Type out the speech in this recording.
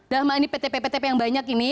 dalam hal ini ptp ptp yang banyak ini